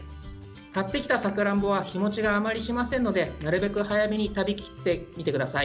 買ってきたさくらんぼは日もちがあまりしないのでなるべく早めに食べ切ってみてください。